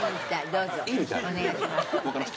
どうぞお願いします。